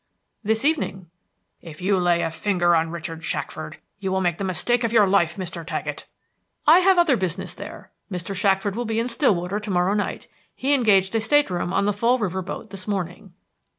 "This evening." "If you lay a finger on Richard Shackford, you will make the mistake of your life, Mr. Taggett!" "I have other business there. Mr. Shackford will be in Stillwater to morrow night. He engaged a state room on the Fall River boat this morning."